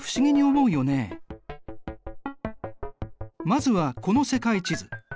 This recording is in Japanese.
まずはこの世界地図。